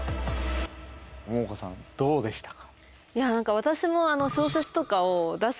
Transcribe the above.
モモコさんどうでしたか？